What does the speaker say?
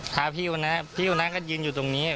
ท้าพี่อุณหนะพี่อุณหนะก็ยืนอยู่ตรงนี้